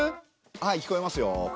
はい聞こえますよ。